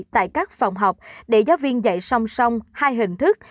tại các phòng học để giáo viên dạy song song hai hình thức